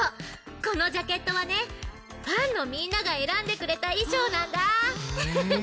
このジャケットはね、ファンのみんなが選んでくれた衣装なんだ。